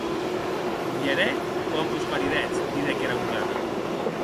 Vierè quan vos maridetz, didec era gojata.